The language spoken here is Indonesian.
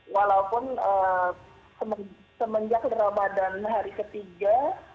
walaupun semenjak ramadan hari ketiga